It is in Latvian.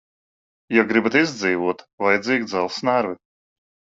Ja gribat izdzīvot, vajadzīgi dzelzs nervi.